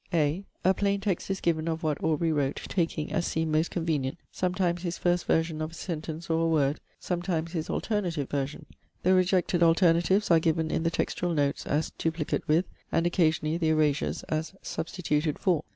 (a) A plain text is given of what Aubrey wrote, taking, as seemed most convenient, sometimes his first version of a sentence or a word, sometimes his alternative version. The rejected alternatives are given in the textual notes, as 'duplicate with'; and occasionally the erasures, as 'substituted for.'